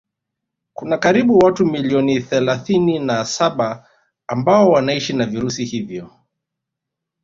Kuna karibu watu milioni thalathini na saba ambao wanaishi na virusi hivyo